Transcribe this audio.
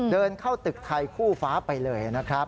เดินเข้าตึกไทยคู่ฟ้าไปเลยนะครับ